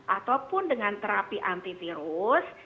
ataupun dengan terapi antivirus